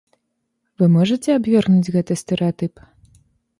Вы можаце абвергнуць гэты стэрэатып?